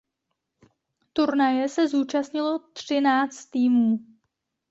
Turnaje se zúčastnilo třináct týmů.